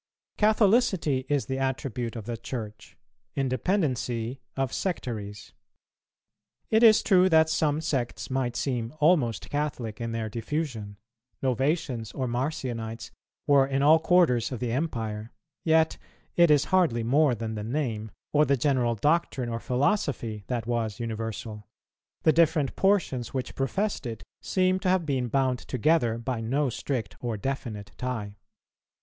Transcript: Catholicity is the attribute of the Church, independency of sectaries. It is true that some sects might seem almost Catholic in their diffusion; Novatians or Marcionites were in all quarters of the empire; yet it is hardly more than the name, or the general doctrine or philosophy, that was universal: the different portions which professed it seem to have been bound together by no strict or definite tie.